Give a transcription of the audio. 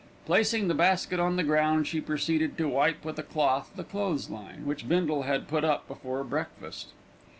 Placing the basket on the ground, she proceeded to wipe with a cloth the clothes line, which Bindle had put up before breakfast.